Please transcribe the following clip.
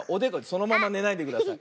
そのままねないでください。